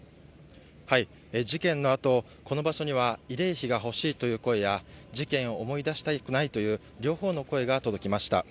事件のあと、この場所には慰霊碑が欲しいという声や、事件を思い出したくないという両方の声が届きました。